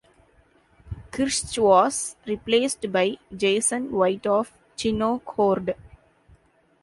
Kirsch was replaced by Jason White of Chino Horde.